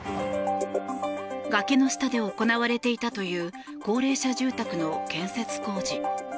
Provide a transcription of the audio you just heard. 崖の下で行われていたという高齢者住宅の建設工事。